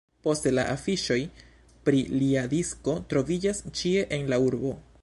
Poste, la afiŝoj pri lia disko troviĝas ĉie en la urbo.